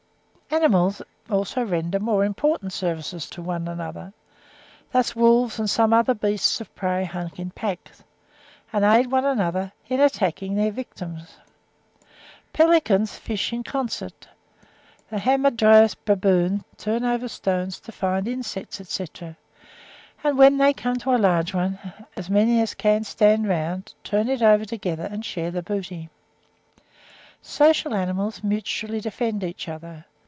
Animals also render more important services to one another: thus wolves and some other beasts of prey hunt in packs, and aid one another in attacking their victims. Pelicans fish in concert. The Hamadryas baboons turn over stones to find insects, etc.; and when they come to a large one, as many as can stand round, turn it over together and share the booty. Social animals mutually defend each other.